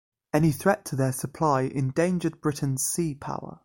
Any threat to their supply endangered Britain's sea power.